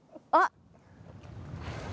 あっ。